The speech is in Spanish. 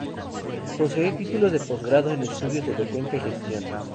Posee títulos de posgrado en Estudios de Defensa y Gestión.